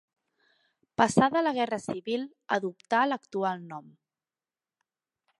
Passada la Guerra Civil adoptà l'actual nom.